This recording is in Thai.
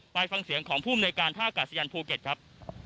ไปฟังเสียงของผู้มนุยการท่ากัศยันทร์ภูเก็ตครับ